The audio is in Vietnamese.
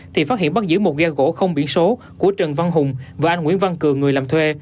thì phát hiện bắt giữ một ghe gỗ không biển số của trần văn hùng và anh nguyễn văn cường người làm thuê